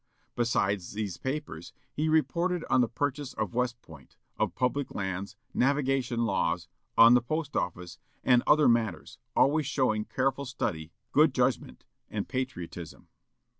Besides these papers, he reported on the purchase of West Point, on public lands, navigation laws, on the post office, and other matters, always showing careful study, good judgment, and patriotism.